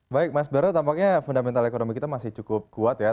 baik mas berno tampaknya fundamental ekonomi kita masih cukup kuat ya